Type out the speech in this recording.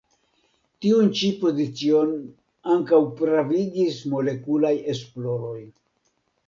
Tiun ĉi pozicion ankaŭ pravigis molekulaj esploroj.